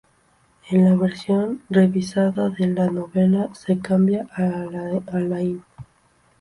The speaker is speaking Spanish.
En la versión revisada de la novela se cambia a Alain.